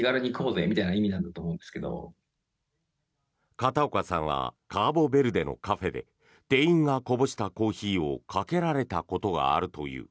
片岡さんはカボベルデのカフェで店員がこぼしたコーヒーをかけられたことがあるという。